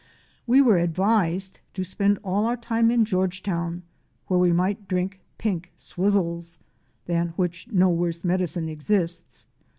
We were advised to spend all our time in Georgetown, where we might drink pink swizzles (than which no worse medicine exists!)